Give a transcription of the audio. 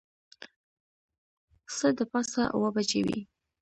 څه د پاسه اوه بجې وې.